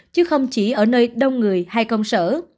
chứ không chỉ ở nơi đông người hay công sở